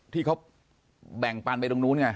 ที่เขาแบ่งปันไปตรงนู้นไง